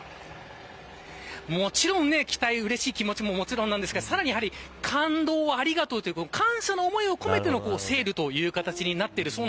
もちろん期待、うれしいという気持ちももちろんですが感動をありがとうという感謝の思いを込めてのセールという形です。